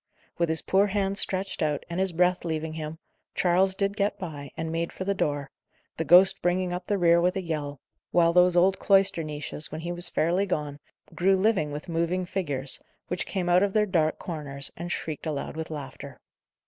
With his poor hands stretched out, and his breath leaving him, Charles did get by, and made for the door, the ghost bringing up the rear with a yell, while those old cloister niches, when he was fairly gone, grew living with moving figures, which came out of their dark corners, and shrieked aloud with laughter.